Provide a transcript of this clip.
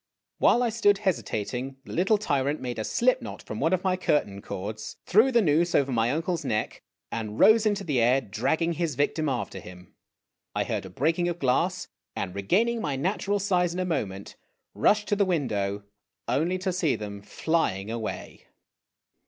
While I stood hesi tating, the little tyrant made a slip knot from one of my curtain cords, threw the noose over my uncle's neck, and rose into the air, dragging his victim after him. I heard a breaking of glass, and, regaining my natural size in a moment, rushed to the window only to see them flying away